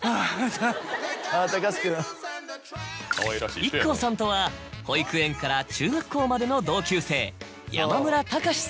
ＩＫＫＯさんとは保育園から中学校までの。